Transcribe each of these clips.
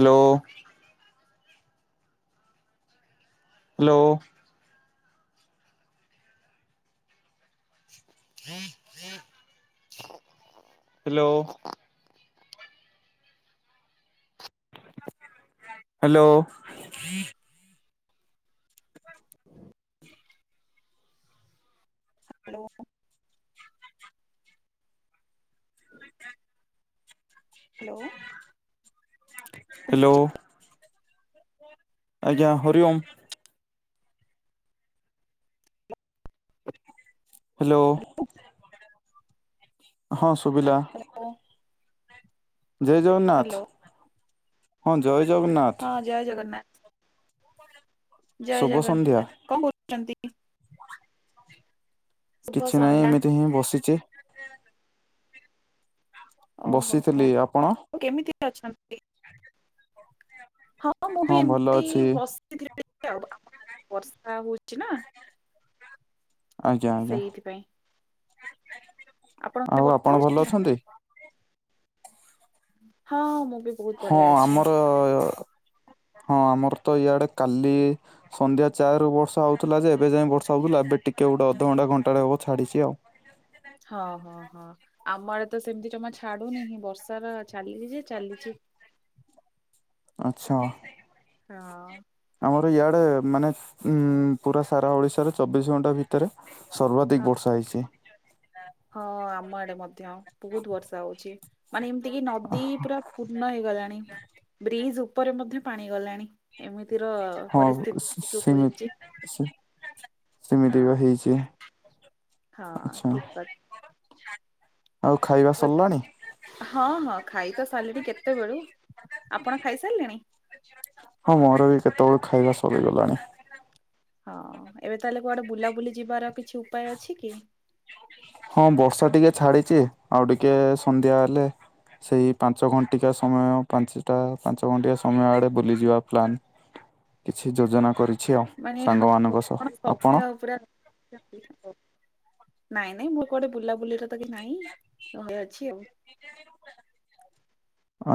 Hello. Hello hello hello [inaudible] hello hello hello ଆଜ୍ଞା। Hari Om. Hello ହଁ ସୁବିଲା। [unintelligible] ଜୟ ଜଗନ୍ନାଥ ହ୍ୟାଲୋ ହଁ ଜୟ ହଁ ଜଗନ୍ନାଥ। ଜୟ ଜଗନ୍ନାଥ। ଜୟ ଶୁଭ ସନ୍ଧ୍ୟା ଜଗନ୍ନାଥ, କଣ କରୁଛନ୍ତି? ଶୁଭ କିଛି ନାହିଁ, ସନ୍ଧ୍ୟା। ଏମିତି ହିଁ ବସିଚି। ଓହୋ ବସିଥିଲି, ଆଉ ଆପଣ? କେମିତି ଅଛନ୍ତି! ହଁ ମୁଁ ବି ଭଲ ଏମତି ଅଛି ବସି [unintelligible] ବର୍ଷା ହଉଛି ନା ଆଜ୍ଞା ଆଜ୍ଞା। ସେଇଥିପାଇଁ। ଆପଣଙ୍କ ଆଡେ ଆଉ ବର୍ଷା ଆପଣ ଭଲ ହଉଛି? ଅଛନ୍ତି? ହଁ ମୁଁ ବି ବହୁତ ହଁ ବଢିଆ ଅଛି। ଆମର ହଁ ଆମର ତ ଇଆଡେ କାଲି ସନ୍ଧ୍ୟା ଚାରି ରୁ ବର୍ଷା ହଉଥିଲା ଯେ ଏବେ ଯାଏ ବର୍ଷା ହଉଥିଲା। ଏବେ ଟିକେ ଗୋଟେ ଅଧଘଣ୍ଟା ଘଣ୍ଟାଟେ ହବ ଛାଡିଛି ଆଉ। ହଁ, ହଁ, ହଁ ଆମ ଆଡେ ତ ସେମିତି ଜମା ଛାଡୁନି ବର୍ଷା ଚାଲିଚି ଯେ ଚାଲିଚି। ଆଛା। ହଁ। ଆମର ଇଆଡେ ମାନେ ଉଁ ପୁରା ସାରା ଓଡିଶାରେ ଚବିଶ ଘଣ୍ଟା ଭିତରେ ହଁ ସର୍ବାଧିକ ବର୍ଷା ହେଇଛି। ହଁ, ଆମ ଆଡେ ମଧ୍ୟ ବହୁତ ବର୍ଷା ହଉଛି! ମାନେ ଏମିତି କି ନଦୀ ପୁରା ପୂର୍ଣ୍ଣ ହେଇଗଲାଣି ବ୍ରିଜ ଉପରେ ମଧ୍ୟ ପାଣି ଗଲାଣି। ଏମିତିର ହଁ ପରିସ୍ଥିତି ଉପୁଜିଛି, ସେମିତି ହଁ। କିଛି ହଁ ଠିକ ବା। ଆଉ ଖାଇବା ଆଉ ସରିଲାଣି ହଁ ହଁ ଖାଇ ତ ସାରିଲିଣି କେତେବେଳୁ, ଆପଣ ଖାଇସାରିଲେଣି? ହଁ ମୋର ବି କେତେବେଳ ଖାଇବା ସରିଗଲାଣି। ହଁ, ଏବେ ତାହେଲେ କୁଆଡେ ବୁଲାବୁଲି ଯିବାର କିଛି ଉପାୟ ଅଛି କି? ହଁ ବର୍ଷା ଟିକେ ଛାଡ଼ିଛି ଆଉ ଟିକେ ସନ୍ଧ୍ୟା ହେଲେ ସେଇ ପାଞ୍ଚ ଘଣ୍ଟିକା ସମୟ ପାଞ୍ଚଟା ପାଞ୍ଚ ଘଣ୍ଟିଆ ସମୟ ଆଡ଼େ ବୁଲିଯିବା ପ୍ଲାନ୍ କିଛି ଯୋଜନା କରି ମାନେ ହଉ କଣ ସମୟ ପୁରା ନାଇଁ ନାଇଁ ମୁଁ କୁଆଡେ ବୁଲାବୁଲିରେ ତ କି ନାଇଁ ଘରେ ଅଛି ଆଉ।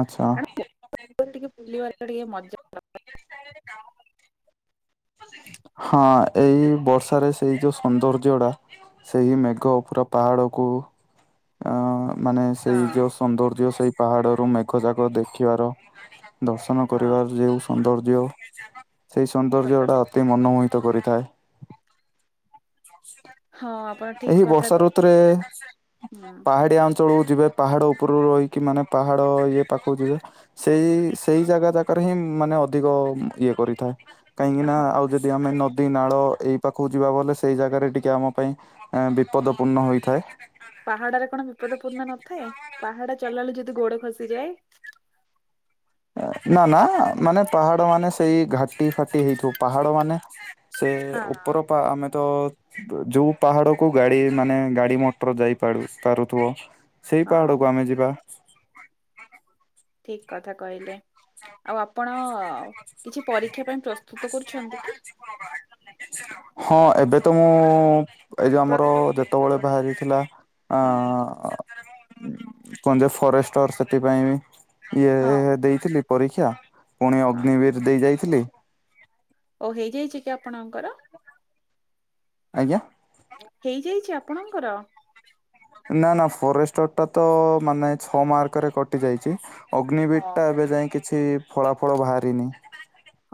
ଆଚ୍ଛା ଟିକେ ବୁଲିବାର ଟିକେ ମଜା। [inaudible] ହଁ, ଏଇ ବର୍ଷାରେ ସେଇ ଯୋଉ ସୌନ୍ଦର୍ଯ୍ୟଟା ସେହି ମେଘ ପୁରା ପାହାଡ଼କୁ ଆଁ ମାନେ ହଁ ସେଇ ଯେଉଁ ସୌନ୍ଦର୍ଯ୍ୟ ସେଇ ପାହାଡ଼ରୁ ମେଘଯାକ ଦେଖିବାର ଦର୍ଶନ ହଁ କରିବାର ଯେଉଁ ସୌନ୍ଦର୍ଯ୍ୟ ସେଇ ସତ ସୌନ୍ଦର୍ଯ୍ୟଟା ଅତି ମନମୋହିତ କରିଥାଏ। ହଁ ଆପଣ ଠିକ ଏହି କଥା ବର୍ଷା କହିଲେ ଋତୁରେ ହୁଁ ପାହାଡିଆ ଅଞ୍ଚଳକୁ ଯିବେ ପାହାଡ଼ ଉପରୁ ରହିକି ମାନେ ପାହାଡ଼ ଇଏ ପାଖକୁ ଯିବେ ସେଇ ସେଇ ଜାଗା ଜାକାରେ ହିଁ ମାନେ ଅଧିକ ଇଏ କରିଥାଏ। କାହିଁକିନା ହଁ ଆଉ ଏଇ ଯଦି ଜାଗା ଆମେ ତ ନଦୀ ନାଳ ଏହି ପାଖକୁ ଯିବା ଗଲେ ସେଇ ଜାଗାରେ ଟିକେ ଆମ ପାଇଁ ଆ ବିପଦ ପୂର୍ଣ୍ଣ ହୋଇଥାଏ। ପାହାଡରେ କଣ ବିପଦ ପୂର୍ଣ୍ଣ ନଥାଏ ପାହାଡା ଚଢିଲା ବେଳକୁ ଯଦି ଗୋଡ ଖସିଯାଏ। ନା ନା ମାନେ ପାହାଡ ମାନେ ସେଇ ଘାଟି ଫାଟି ହେଇଥିବ ପାହାଡ ମାନେ ସେ ହଁ ଉପରୁ ପା ଆମେ ତ ଯୋଉ ପାହାଡକୁ ଗାଡି ମାନେ ଗାଡି ମଟର ଯାଇ ପାରୁ ପାରୁଥିବ। ସେଇ ହଁ ପାହାଡକୁ ଆମେ ଯିବା। ଠିକ କଥା କହିଲେ ଆଉ ଆପଣ ହଉ କିଛି ପରୀକ୍ଷା ପାଇଁ ପ୍ରସ୍ତୁତ କରୁଛନ୍ତି କି? ହଁ ଏବେ ତ ମୁଁ ଏଇ ଯେଉଁ ଆମର ପ୍ରତିଯୋଗିତା ପାଇଁ? ଯେତେବେଳେ ବାହାରିଥିଲା ହଁ ହଁ ଆଁ କୁହନ୍ତି ଫରେଷ୍ଟର ସେଥିପାଇଁ ବି ଇଏ ହଁ ଦେଇଥିଲି ପରୀକ୍ଷା ପୁଣି ହଁ ଅଗ୍ନିବୀର ଦେଇ ଯାଇଥିଲି। ଓ ହେଇଯାଇଛି କି ଆପଣଙ୍କର? ଆଜ୍ଞା। ହେଇଯାଇଛି ଆପଣଙ୍କର? ନା ନା ଫରେଷ୍ଟର ଟା ତ ମାନେ ଛଅ ମାର୍କରେ କଟି ଯାଇଛି। ଅଗ୍ନିବିର ଟା ଏବେ ହଁ ଯାଏ କିଛି ଫଳାଫଳ ବାହାରନି।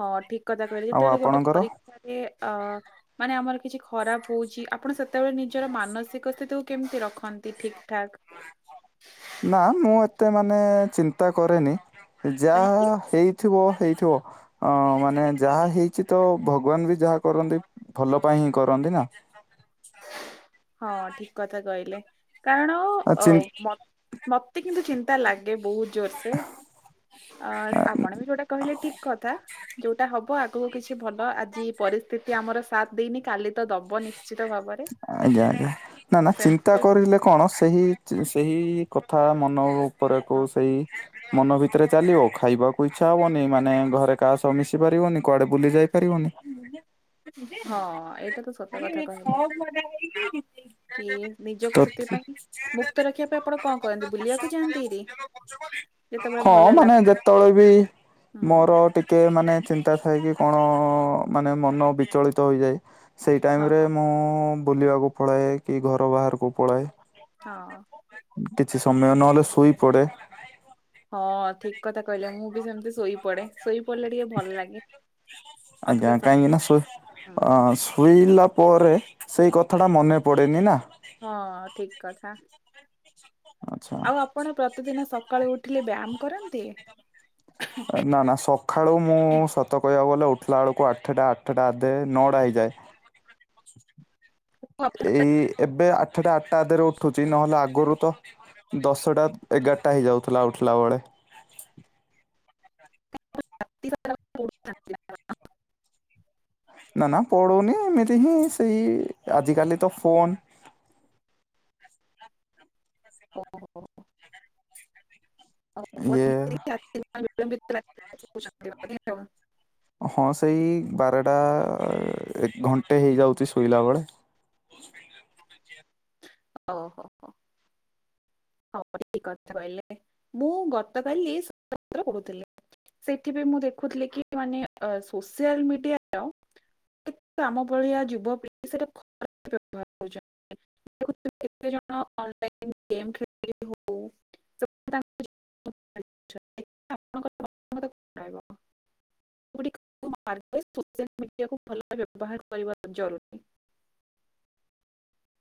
ହଁ ଠିକ କଥା କହିଲେ ଯେତେବେଳେ ଗୋଟେ ପରୀକ୍ଷାରେ ଅ ମାନେ ଆମର କିଛି ଖରାପ ହଉଛି ଆପଣ ସେତେବେଳେ ନିଜର ମାନସିକ ସ୍ଥିତିକୁ କେମିତି ରଖନ୍ତି ଠିକ ଠାକ୍। ନା ମୁଁ ଏତେ ମାନେ ଚିନ୍ତା କରେନି କାହିଁକି ଯାହା ହେଇ ହେଇଥିବ ହେଇଥିବ। ହଁ ମାନେ ଯାହା ହେଇଛି ତ ଭଗବାନ ବି ଯାହା କରନ୍ତି ଭଲ ପାଇଁ ହିଁ କରନ୍ତି ନା। ହଁ ଠିକ କଥା କହିଲେ କାରଣ ଆ ଅ ଚିନ୍ ମତେ ମତେ କିନ୍ତୁ ଚିନ୍ତା ଲାଗେ ବହୁତ ଜୋର ସେ। ଅ ଆପଣ ବି ଯୋଉଟା କହିଲେ ଠିକ କଥା। ଯୋଉଟା ହବ ଆଗକୁ କିଛି ଭଲ ଆଜି ପରିସ୍ଥିତି ଆମର ସାଥ ହେଇନି କାଲି ତ ଦବ ନିଶ୍ଚିତ ଭାବରେ। ଆଜ୍ଞା ଆଜ୍ଞା ନା ନା ଚିନ୍ତା ସେମିତି କରିଲେ କଣ ସେହି ସେହି କଥା ମନ ଉପରକୁ ହଁ ସେଇ ମନ ଭିତରେ ଚାଲିବ ଖାଇବାକୁ ଇଚ୍ଛା ହବନି ମାନେ ଘରେ କାହା ସହ ମିଶି ପାରିବନି କୁଆଡେ ବୁଲି ଯାଇପାରିବନି। [inaudible] ହଁ ଏଇଟା ତ ସତ। ଆ କଥା କହିଲେ ସବୁ ମଜା ହେଇକି କିଛି କି ନିଜକୁ ସେଥିପାଇଁ ମୁକ୍ତ ରଖିବା ପାଇଁ ଆପଣ କଣ କରନ୍ତି ବୁଲିବାକୁ ଯାଆନ୍ତି ହାରି। ହଁ ମାନେ ଯେତେବେଳେ ବି ହୁଁ ମୋର ମୁଁ ଟିକେ ମାନେ ଚିନ୍ତା ଥାଏ କିି କଣ ମାନେ ମନ ବିଚଳିତ ହୋଇଯାଏ। ସେ ହଁ ଟାଇମରେ ମୁଁ ବୁଲିବାକୁ ପଳାଏ କି ଘର ବାହାରକୁ ପଳାଏ। ହଁ। କିଛି ସମୟ ନହେଲେ ଶୋଇ ପଡେ। ହଁ ଠିକି କଥା କହିଲେ। ମୁଁ ବି ସେମିତି ଶୋଇ ପଡେ। ଶୋଇ ପଡ଼ିଲେ ଟିକେ ଭଲ ଲାଗେ। ଅଧିକ ଆଜ୍ଞା ସମ କାହିଁକି ନା ହଁ। ଶୋଇ ଲା ପରେ ସେଇ କଥାଟା ମନେ ପଡ଼େନି ନା। ହଁ ଠିକ୍ କଥା। ଆଚ୍ଛା ଆଉ ଆପଣ ପ୍ରତିଦିନ ସକାଳୁ ଉଠିଲେ ବ୍ୟାୟାମ କରନ୍ତି? ନା ନା ସଖାଳୁ ମୁଁ ସତ କହିବାକୁ ଗଲେ ଉଠିଲା ବେଳକୁ ଆଠଟା ଆଠଟା ଆଧେ ନଟା ହେଇଯାଏ। ଓ, ଏଇ ଏବେ ଆଠଟା ଆଠଟା ଅଧେରୁ ଉଠୁଚି ନହେଲେ ଆଗରୁ ତ ଦଶଟା ଏଗାରଟା ହେଇଯାଉଥିଲା ଉଠିଲା ବେଳେ। ଶ [inaudible] ନା ନା ପଢ଼ୁନି ଏମିତି ହିଁ ସେଇ ଆଜିକାଲି ତ ଫୋନ୍ ଓହୋ ଉ ଫୋ ଇଏ [unintelligible] ହଁ ସେଇ ବାରଟା ଏ ଘଣ୍ଟେ ହେଇଯାଉଚି ଶୋଇଲା ବେଳେ। ଓଁ ହୋ। ହଁ ଠିକ କଥା କହିଲେ ମୁଁ ଗତକାଲି ପୁଥିଲି [unintelligible] ସେଥିପାଇଁ ମୁଁ ଦେଖୁଥିଲି କି ମାନେ ଏଁ ସୋସିଆଲ ମିଡିଆର ଆମ ଭଳିଆ ଯୁବପିଢି ସେଟା [inaudible] ବ୍ୟବହାର କରୁଛନ୍ତି। କେତେ ଜଣ ଅନଲାଇନ୍ ରେ ଗେମ୍ ଖେଳ [inaudible] [unintelligible] ଣହ [unintelligible] [unintelligible] ମିଡିଆକୁ ଭଲ ବ୍ୟବହାର କରିବା ଜରୁରୀ।